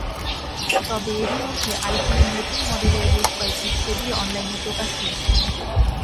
তবে এরই মধ্যে আইফোনের নতুন মডেলের বেশ কয়েকটি ছবি অনলাইনে প্রকাশ হয়েছে।